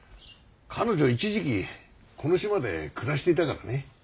彼女一時期この島で暮らしていたからね。